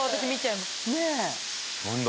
何だ